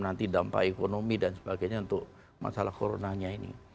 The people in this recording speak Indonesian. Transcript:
nanti dampak ekonomi dan sebagainya untuk masalah coronanya ini